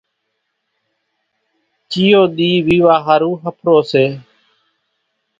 ڄيئو ۮِي ويوا ۿارُو ۿڦرو سي۔